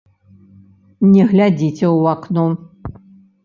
Не глядзіце ў акно.